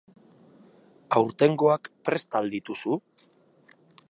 Aurtengoak prest al dituzu?